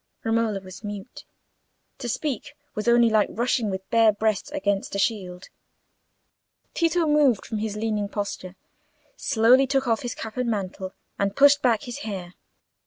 Romola was mute. To speak was only like rushing with bare breast against a shield. Tito moved from his leaning posture, slowly took off his cap and mantle, and pushed back his hair.